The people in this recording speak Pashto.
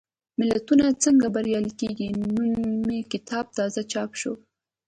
ملتونه څنګه بریالي کېږي؟ نومي کتاب تازه چاپ شو.